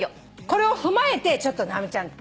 これを踏まえてちょっと直美ちゃん。